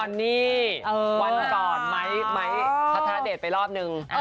วันนี้วันก่อนไม้พัฒนาเดชไปรอบนึง